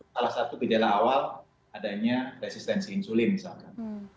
salah satu gejala awal adanya resistensi insulin misalkan